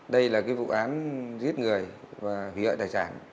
đây là cái vụ án giết người và hủy hoại tài sản